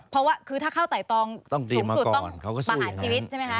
เพราะว่าคือถ้าเข้าไต่ตองสูงสุดต้องประหารชีวิตใช่ไหมคะ